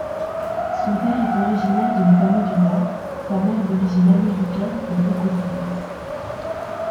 Son père est originaire d'une famille du Nord, sa mère d'origine américaine et écossaise.